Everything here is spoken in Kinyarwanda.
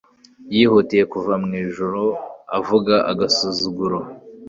yihutiye kuva mu Ijuru avuga agasuzuguro